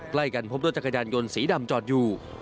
ใกล้กันพบรถจักรยานยนต์สีดำจอดอยู่